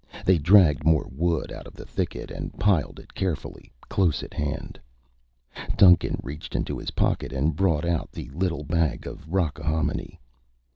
They dragged more wood out of the thicket and piled it carefully close at hand. Duncan reached into his pocket and brought out the little bag of rockahominy.